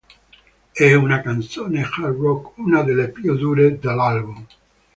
È una canzone hard rock, una delle più "dure" dell'album.